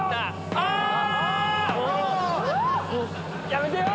やめてよ！